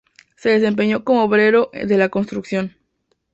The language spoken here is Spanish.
Se desempeñó como obrero de la construcción.